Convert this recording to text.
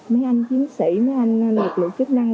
mấy anh chiến sĩ mấy anh lực lượng chức năng